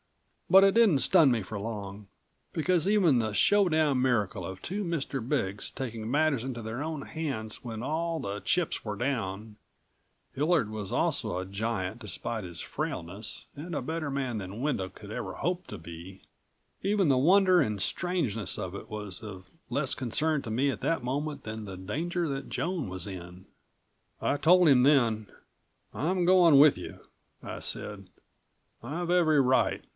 But it didn't stun me for long, because even the showdown miracle of two Mr. Big's taking matters into their own hands when all of the chips were down Hillard was also a giant despite his frailness and a better man than Wendel could ever hope to be even the wonder and strangeness of it was of less concern to me at that moment than the danger that Joan was in. I told him then. "I'm going with you," I said. "I've every right.